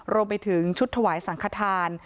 รวมไปถึงชุดถวายสังขทาน